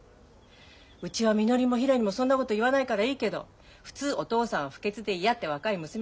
うちはみのりもひらりもそんなこと言わないからいいけど普通お父さんは不潔で嫌って若い娘は言うの。